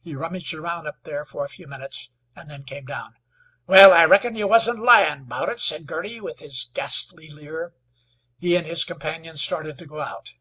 He rummaged around up there for a few minutes, and then came down. "Wal, I reckon you wasn't lyin' about it," said Girty, with his ghastly leer. He and his companion started to go out.